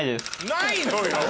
ないのよ！